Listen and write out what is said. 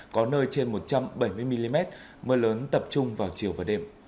có nơi trên một trăm bảy mươi mm mưa lớn tập trung vào chiều và đêm